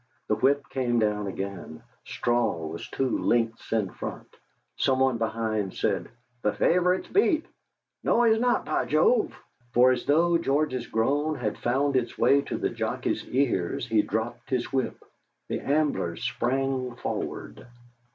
The whip came down again; straw was two lengths in front. Someone behind said: "The favourite's beat! No, he's not, by Jove!" For as though George's groan had found its way to the jockey's ears, he dropped his whip. The Ambler sprang forward.